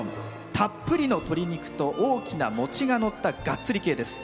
たっぷりの鶏肉と大きな餅がのったがっつり系です。